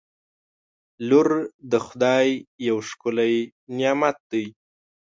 • لور د خدای یو ښکلی نعمت دی.